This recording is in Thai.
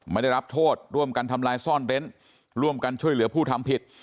ไม่ได้รับโทษร่วมกันทำลายซ่อนเร้นร่วมกันช่วยเหลือผู้ทำผิด